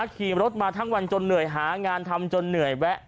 ขี่รถมาทั้งวันจนเหนื่อยหางานทำจนเหนื่อยแวะ